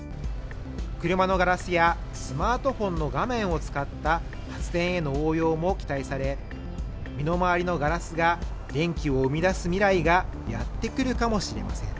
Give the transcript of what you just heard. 車のガラスやスマートフォンの画面を使った発電への応用も期待され身の回りのガラスが電気を生み出す未来がやって来るかもしれません